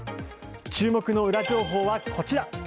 注目のウラ情報がこちら。